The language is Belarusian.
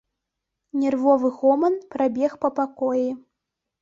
Нервовы гоман прабег па пакоі.